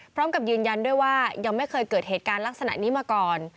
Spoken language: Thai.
พร้อมกับยืนยันด้วยว่ายังไม่เคยเกิดเหตุการณ์ลักษณะนี้มาก่อน